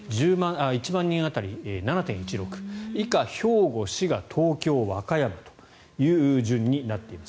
１万人当たり７．１６以下、兵庫、滋賀、東京和歌山という順になっています。